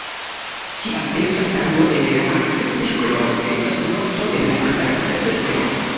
Kiam estas tago en la Arkta Cirklo estas nokto en la Antarkta Cirklo.